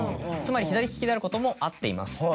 つまり左利きであることも合っています。